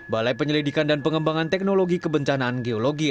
balai penyelidikan dan pengembangan teknologi kebencanaan geologi